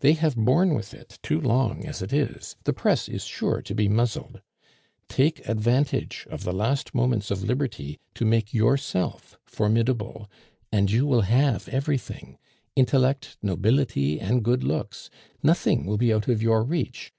They have borne with it too long as it is; the press is sure to be muzzled. Take advantage of the last moments of liberty to make yourself formidable, and you will have everything intellect, nobility, and good looks; nothing will be out of your reach.